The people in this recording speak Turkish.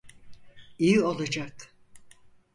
İyi olacak.